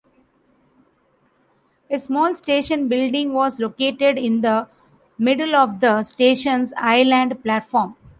A small station building was located in the middle of the station's island platform.